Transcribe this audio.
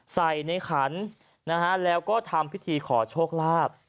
ใส่ในขันนะฮะแล้วก็ทำพิธีขอโชคลาภ